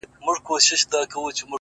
• د مرغانو پاچهۍ ته نه جوړېږي,